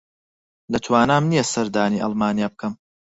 لە توانام نییە سەردانی ئەڵمانیا بکەم.